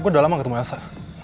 gue udah lama ketemu elsa